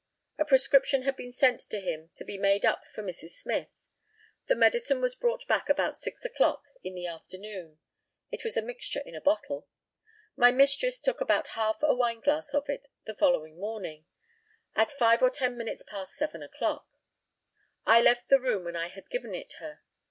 A prescription had been sent to him to be made up for Mrs Smyth. The medicine was brought back about six o'clock in the afternoon. It was a mixture in a bottle. My mistress took about half a wineglass of it the following morning, at five or ten minutes past seven o'clock. I left the room when I had given it her.